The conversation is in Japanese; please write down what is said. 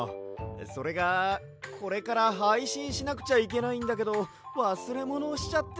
それがこれからはいしんしなくちゃいけないんだけどわすれものをしちゃって。